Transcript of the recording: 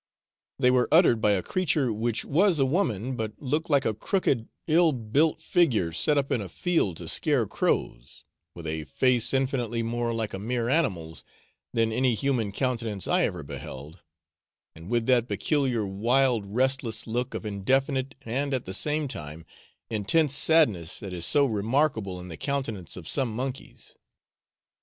They were uttered by a creature which was a woman, but looked like a crooked ill built figure set up in a field to scare crows, with a face infinitely more like a mere animal's than any human countenance I ever beheld, and with that peculiar wild restless look of indefinite and, at the same time, intense sadness that is so remarkable in the countenance of some monkeys.